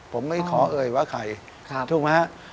ผมไม่ขอเอ่ยว่าใครถูกไหมฮะ